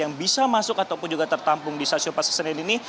yang bisa masuk ataupun juga tertampung di stasiun pasar senen ini